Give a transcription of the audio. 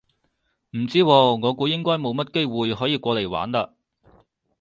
唔知喎，我估應該冇乜機會可以過嚟玩嘞